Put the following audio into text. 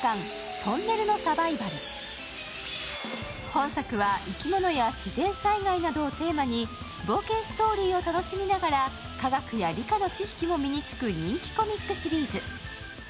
本作は、生き物や自然災害などをテーマに冒険ストーリーを楽しみながら科学や理科の知識も身につく人気コミックシリーズ。